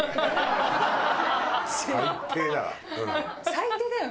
最低だわ。